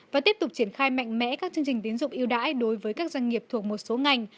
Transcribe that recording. và tiếp tục triển khai mạnh mẽ các chương trình tiến dụng yêu đãi đối với các doanh nghiệp thuộc một số ngành